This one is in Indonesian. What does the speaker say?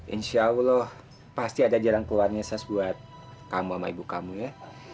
insya allah pasti ada jalan keluarnya buat kamu sama ibu kamu ya